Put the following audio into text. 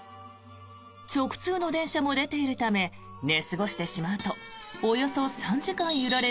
直通の電車も出ているため寝過ごしてしまうとおよそ３時間揺られ